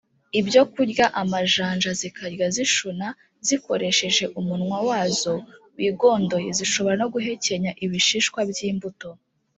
ibyokurya amajanja zikajya zishuna zikoresheje umunwa wazo wigondoye Zishobora no guhekenya ibishishwa by imbuto